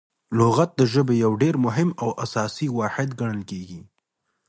لغت د ژبي یو ډېر مهم او اساسي واحد ګڼل کیږي.